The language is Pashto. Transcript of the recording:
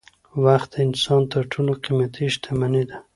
وخت د انسان تر ټولو قيمتي شتمني ده.